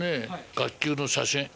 学級の写真。